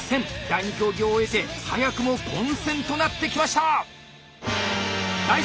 第２競技を終えて早くも混戦となってきました！